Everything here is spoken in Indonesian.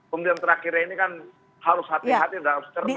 kemudian terakhirnya ini kan harus hati hati dan harus cermat